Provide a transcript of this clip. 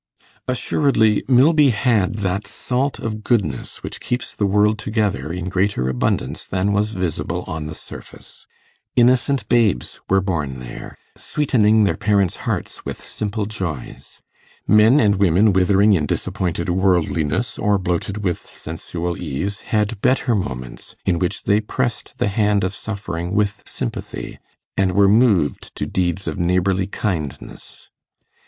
Assuredly Milby had that salt of goodness which keeps the world together, in greater abundance than was visible on the surface: innocent babes were born there, sweetening their parents' hearts with simple joys; men and women withering in disappointed worldliness, or bloated with sensual ease, had better moments in which they pressed the hand of suffering with sympathy, and were moved to deeds of neighbourly kindness.